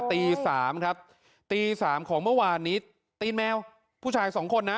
ตีสามครับตีสามของเมื่อวานนี้ตีแมวผู้ชายสองคนนะ